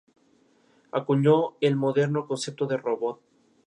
si eres un padre responsable